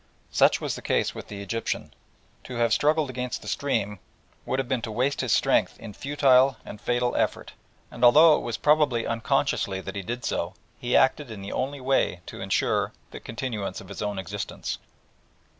Such was the case with the Egyptian. To have struggled against the stream would but have been to waste his strength in futile and fatal effort, and although it was probably unconsciously that he did so, he acted in the only way to ensure the continuance of his own existence.